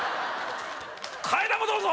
替え玉どうぞ！